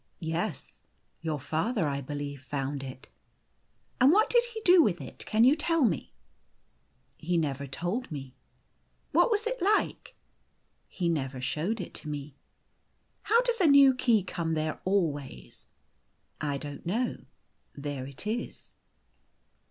" Yes. Your father, I believe, found it." " And what did he do with it, can you tell me ?'" He never told me." " What was it like ?"" He never showed it to me." " How does a new key come there always ?"" I don't know. There it is."